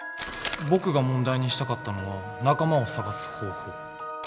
僕が問題にしたかったのは仲間を探す方法。